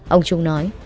ông trung nói